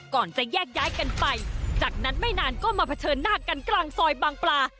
ก่อนจะแยกย้ายกันไปจากนั้นไม่นานก็มาเผชิญหน้ากันกลางซอยบางปลา